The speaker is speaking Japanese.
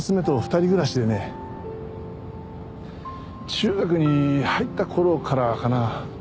中学に入った頃からかな